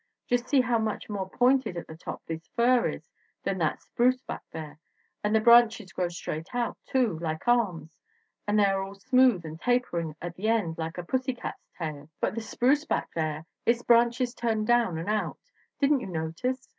Just see how much more pointed at the top this fir is than that spruce back there; and the branches grow straight out, too, like arms, and they are all smooth and tapering at the end like a pussy cat's tail. But the spruce back there its branches turned down and out didn't you notice?